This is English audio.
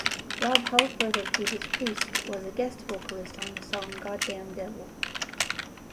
Rob Halford of Judas Priest was a guest vocalist on the song "Goddamn Devil".